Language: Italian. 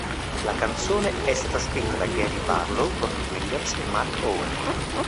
La canzone è stata scritta da Gary Barlow, Robbie Williams e Mark Owen.